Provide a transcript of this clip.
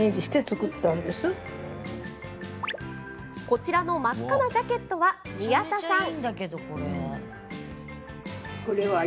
こちらの真っ赤なジャケットは宮田さん。